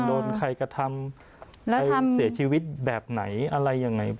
โดนใครกระทำใครเสียชีวิตแบบไหนอะไรยังไง